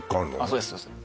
そうですそうです